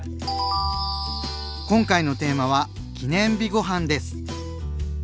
今回のテーマは「記念日ごはん」です。